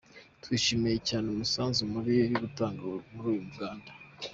Twishimiye cyane umusanzu muri gutanga muri uru rugamba.”